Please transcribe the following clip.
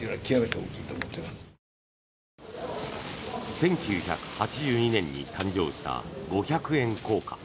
１９８２年に誕生した五百円硬貨。